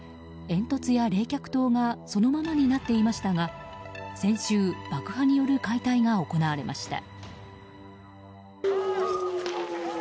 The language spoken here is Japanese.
煙突や冷却塔がそのままになっていましたが先週、爆破による解体が行われました。